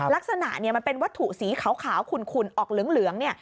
ลักษณะมันเป็นวัตถุสีขาวขุ่นออกเหลือง